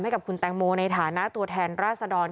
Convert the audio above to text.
กับคุณแตงโมในฐานะตัวแทนราษดร